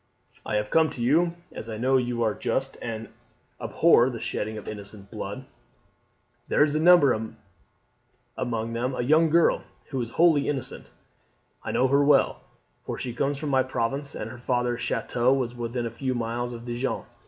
I have come to you, as I know you are just, and abhor the shedding of innocent blood. There is among the number a young girl, who is wholly innocent. I know her well, for she comes from my province, and her father's chateau was within a few miles of Dijon.